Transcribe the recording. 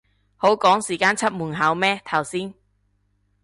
好趕時間出門口咩頭先